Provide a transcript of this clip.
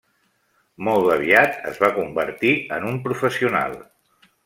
Molt aviat es va convertir en un professional.